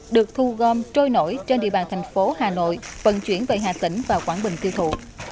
được thu gom trôi nổi trên địa bàn thành phố hà nội vận chuyển về hà tĩnh và quảng bình tiêu thụ